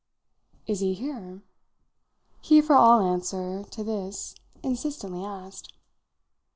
"Is he here?" he for all answer to this insistently asked.